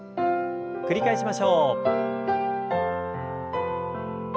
繰り返しましょう。